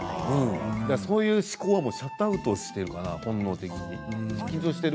そういう思考はシャットアウトしているから本能的に緊張している？